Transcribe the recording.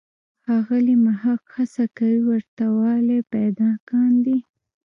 ښاغلی محق هڅه کوي ورته والی پیدا کاندي.